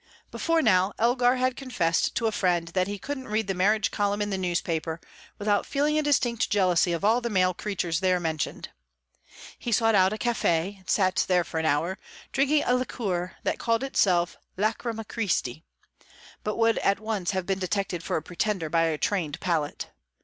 Before now, Elgar had confessed to a friend that he couldn't read the marriage column in a newspaper without feeling a distinct jealousy of all the male creatures there mentioned. He sought out a caffe, and sat there for an hour, drinking a liquor that called itself lacryma Christi, but would at once have been detected for a pretender by a learned palate.